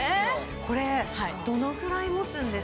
これどのぐらい持つんですか？